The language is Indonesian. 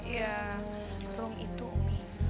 iya rum itu umi